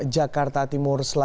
jakarta timur selatan